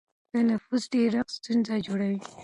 د نفوس ډېرښت ستونزې جوړوي.